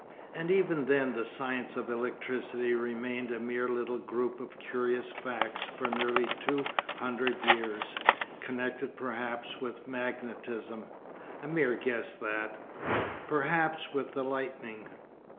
And even then the science of electricity remained a mere little group of curious facts for nearly two hundred years, connected perhaps with magnetism—a mere guess that—perhaps with the lightning.